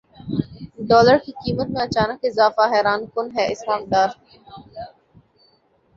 dollar کی قیمت میں اچانک اضافہ حیران کن ہے اسحاق ڈار